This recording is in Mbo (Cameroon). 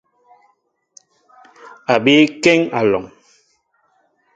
A bii kéŋ alɔŋ.